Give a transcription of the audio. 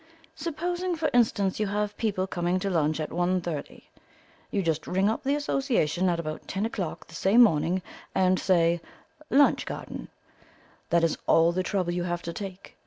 Supposing, for instance, you have people coming to lunch at one thirty; you just ring up the Association at about ten o'clock the same morning, and say 'lunch garden'. That is all the trouble you have to take.